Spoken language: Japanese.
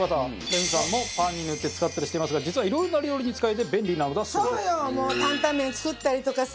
レミさんもパンに塗って使ったりしていますが実はいろいろな料理に使えて便利なのだそうです。